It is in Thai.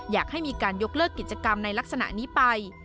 อยากให้มีการยกเลิกกิจกรรมในลักษณะนี้ไป